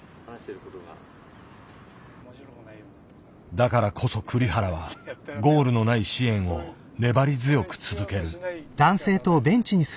だからこそ栗原はゴールのない支援を粘り強く続ける。